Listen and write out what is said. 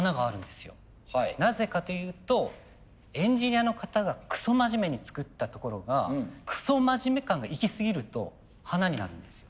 なぜかというとエンジニアの方がくそ真面目に作ったところがくそ真面目感がいきすぎると華になるんですよ。